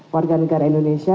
warga negara indonesia